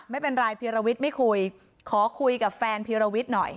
ไม่เป็นไรเพียรวิตไม่คุยขอคุยกับแฟนเพียรวิตหน่อย